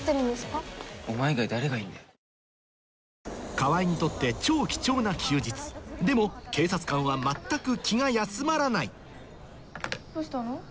川合にとって超貴重な休日でも警察官は全く気が休まらないどうしたの？